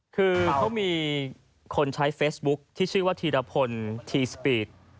คือเขามีคนใช้เฟซบุ๊คที่ชื่อว่าธีรพลทีสปีด